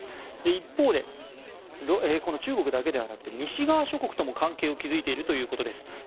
一方で、中国だけではなくて西側諸国とも関係を築いているということです。